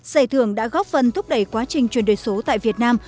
giải thưởng đã góp phần thúc đẩy quá trình chuyển đổi số tại việt nam